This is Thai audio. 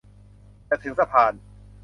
จะถึงสะพาน